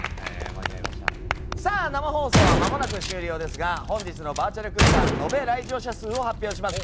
生放送はまもなく終了ですが本日のバーチャル空間延べ来場者数を発表します。